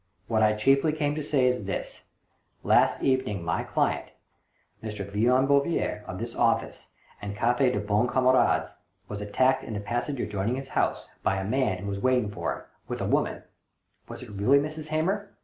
What I chiefly came to say is this : last evening my client, M. Leon Bouvier, of this office and the Cafe des Bons Camarades, was attacked in the passage adjoining his house by a man who was waiting for him, with a woman — was it really Mrs. Hamer?